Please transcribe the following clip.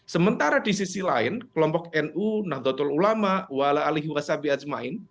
sementara di sisi lain kelompok nu nahdlatul ulama wala alihiwa sabi azmain